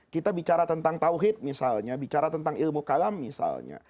kita bicara tentang tawhid misalnya bicara tentang ilmu kalam misalnya